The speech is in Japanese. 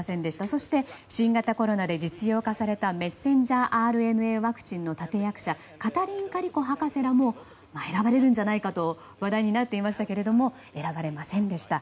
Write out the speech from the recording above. そして、新型コロナで実用化されたメッセンジャーＲＮＡワクチンの立役者カタリン・カリコ博士らも選ばれるんじゃないかと話題になっていましたけれども選ばれませんでした。